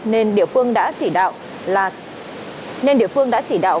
nên địa phương đã chỉ đạo